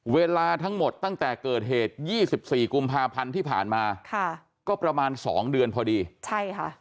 เวลาทั้งหมดตั้งแต่เกิดเหตุยี่สิบสี่กุมภาพันธ์ที่ผ่านมาค่ะก็ประมาณสองเดือนพอดีใช่ค่ะ